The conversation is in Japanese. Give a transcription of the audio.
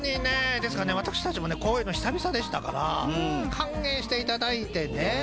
ですからね私たちもねこういうの久々でしたから歓迎していただいてね。